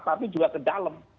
tapi juga ke dalam